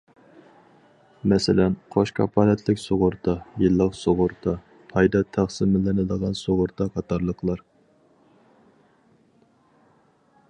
مەسىلەن، قوش كاپالەتلىك سۇغۇرتا، يىللىق سۇغۇرتا، پايدا تەقسىملىنىدىغان سۇغۇرتا قاتارلىقلار.